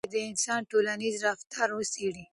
ټولنیز علوم غواړي د انسان ټولنیز رفتار وڅېړي.